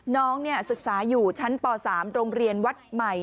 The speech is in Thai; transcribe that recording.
น้องศึกษาอยู่ชั้นป๓โรงเรียนวัดใหม่